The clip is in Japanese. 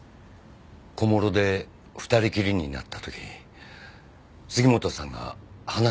小諸で２人きりになった時杉本さんが話しかけてきたんです。